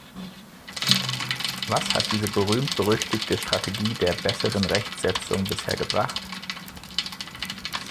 Was hat diese berühmt-berüchtigte Strategie der "besseren Rechtsetzung" bisher gebracht?